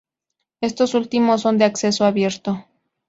Estos últimos, son de acceso abierto.